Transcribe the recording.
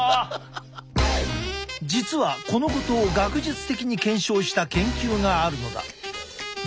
実はこのことを学術的に検証した研究があるのだ。